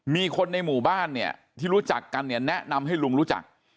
มีคนในหมู่บ้านเนี่ยที่รู้จักกันเนี่ยแนะนำให้ลุงรู้จัก